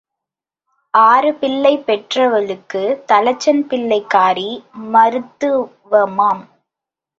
ஆறு பிள்ளை பெற்றவளுக்குத் தலைச்சன் பிள்ளைக்காரி மருத்துவமாம்.